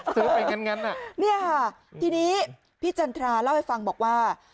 ซื้อไปงั้นน่ะเนี่ยค่ะทีนี้พี่จันทราเล่าให้ฟังบอกว่า